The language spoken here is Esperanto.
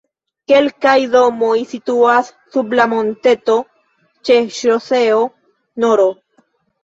Kelkaj domoj situas sub la monteto ĉe ŝoseo nr.